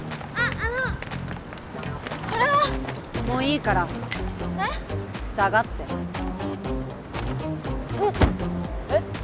もういいからえっ？